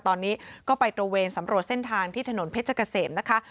ตอนนี้ก็ไปตระเวนสำรวจเส้นทางที่ถนนเพชรเกษมนะคะ